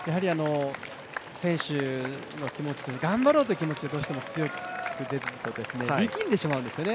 選手の気持ち、頑張ろうという気持ちが強く出ると力んでしまうんですよね。